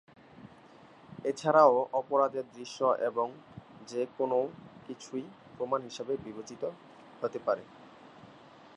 এছাড়াও, অপরাধের দৃশ্য এবং যে কোনও কিছুই প্রমাণ হিসাবে বিবেচিত হতে পারে।